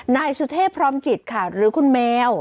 นายสุเทพพร้อมจิตค่ะหรือคุณแมว